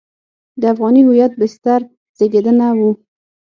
د افغاني هویت بستر زېږنده وو.